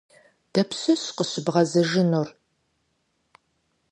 Дапщэщ къыщыбгъэзэжынур?